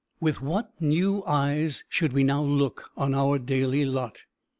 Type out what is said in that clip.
With what new eyes should we now look on our daily lot!